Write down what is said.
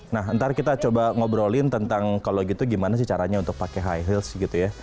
nah ntar kita coba ngobrolin tentang kalau gitu gimana sih caranya untuk pakai high heels gitu ya